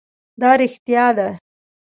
دا رښتیا ده.